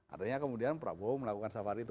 artinya kemudian prabowo melakukan safari itu